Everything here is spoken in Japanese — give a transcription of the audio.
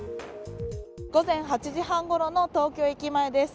午前８時半ごろの東京駅前です。